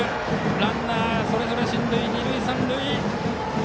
ランナーはそれぞれ進塁二塁三塁。